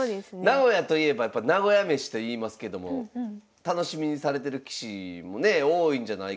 名古屋といえばやっぱ名古屋めしといいますけども楽しみにされてる棋士もね多いんじゃないかということで。